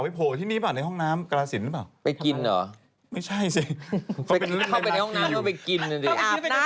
ไม่เครียดเลยนะแก้วแก้วหมดเลยนะกับพ่อคำแก้วแบบนั้นครบ